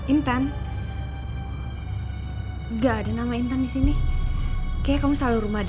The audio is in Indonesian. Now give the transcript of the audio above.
intan enggak ada nama intan di sini kayaknya kamu selalu rumah di